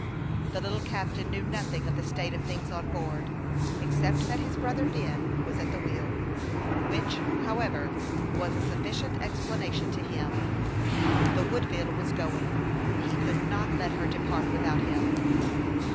The little captain knew nothing of the state of things on board, except that his brother Ben was at the wheel, which, however, was a sufficient explanation to him. The Woodville was going, and he could not let her depart without him.